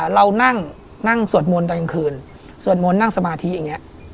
เรานั่งนั่งสวดมนต์ตอนกลางคืนสวดมนต์นั่งสมาธิอย่างนี้